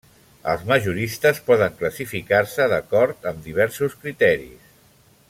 Els majoristes poden classificar-se d'acord amb diversos criteris.